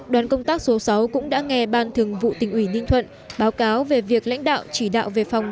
đoàn công tác số sáu cũng đã nghe ban thường vụ tỉnh ủy ninh thuận báo cáo về việc lãnh đạo chỉ đạo về phòng